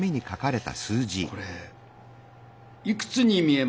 これいくつに見えますか？